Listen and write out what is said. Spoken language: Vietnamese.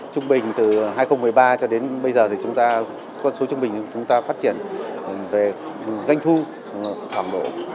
trung bình từ hai nghìn một mươi ba cho đến bây giờ thì con số trung bình chúng ta phát triển về doanh thu khoảng hai mươi năm